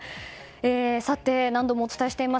さて、何度もお伝えしています